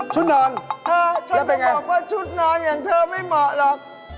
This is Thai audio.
ชุดนอนแล้วเป็นอย่างไรอ่าฉันก็บอกว่าชุดนอนอย่างเธอไม่เหมาะหรอก